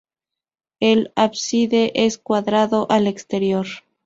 El ábside es cuadrado al exterior.